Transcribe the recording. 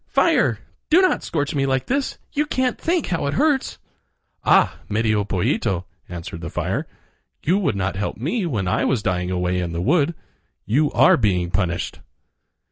fire! do not scorch me like this; you can't think how it hurts." "Ah! Medio Pollito," answered the fire, "you would not help me when I was dying away in the wood. You are being punished."